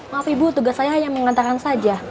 maaf ibu tugas saya hanya mengantarkan saja